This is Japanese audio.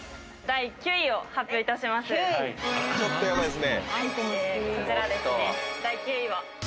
第９位は。